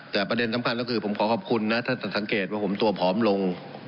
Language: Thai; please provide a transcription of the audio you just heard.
แต่ประเด็นสำคัญก็คือผมขอขอบคุณนะถ้าสังเกตว่าผมตัวผอมลง